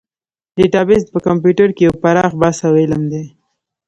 ډیټابیس په کمپیوټر کې یو پراخ بحث او علم دی.